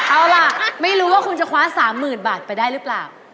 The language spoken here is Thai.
เอาล่ะไม่รู้ว่าคุณจะคว้า๓๐๐๐บาทไปได้หรือเปล่า